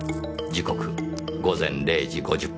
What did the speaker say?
時刻午前０時５０分。